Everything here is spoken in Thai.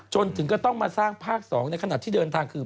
จนถึงก็ต้องมาสร้างภาค๒ในขณะที่เดินทางคือ